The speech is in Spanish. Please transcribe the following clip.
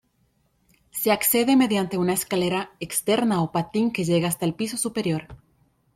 Se accede mediante una escalera externa o patín que llega hasta el piso superior.